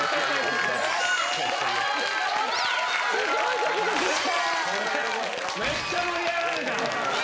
すごいドキドキした。